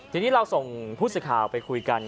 ทีนี้เราส่งผู้สื่อข่าวไปคุยกัน